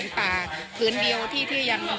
ซึ่งพระธาตุอาจุเทพฯเป็นป่าที่พร่องอย่างสมบูรณ์